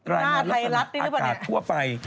ลายงานลักษณะอากาศทั่วไป